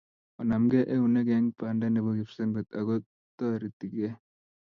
Onamkei eunek eng banda nebo kipswenget ako toritkei